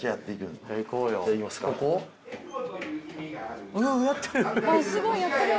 すごいやってる。